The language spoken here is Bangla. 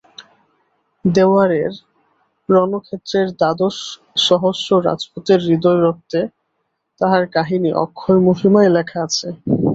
দেওয়ারের রণক্ষেত্রের দ্বাদশ সহস্র রাজপুতের হৃদয়রক্তে তাহার কাহিনী অক্ষয় মহিমায় লেখা আছে।